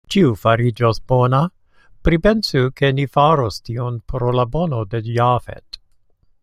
Ĉio fariĝos bona; pripensu, ke ni faros tion pro la bono de Jafet.